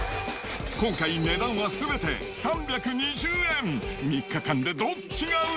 今回値段は、すべて３２０円。